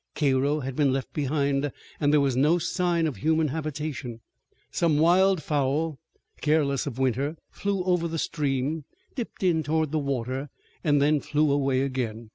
Cairo had been left behind and there was no sign of human habitation. Some wild fowl, careless of winter, flew over the stream, dipped toward the water, and then flew away again.